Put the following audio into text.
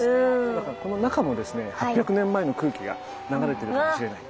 だからこの中もですね８００年前の空気が流れてるかもしれない。